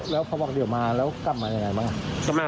แล้วกระบวนเดียวมากลับมายังไงมาแหละ